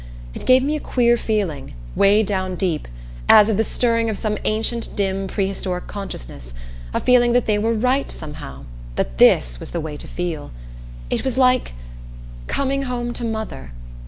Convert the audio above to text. It gave me a queer feeling, way down deep, as of the stirring of some ancient dim prehistoric consciousness, a feeling that they were right somehow that this was the way to feel. It was like coming home to mother.